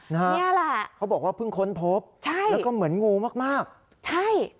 นี่แหละเขาบอกว่าเพิ่งค้นพบใช่แล้วก็เหมือนงูมากมากใช่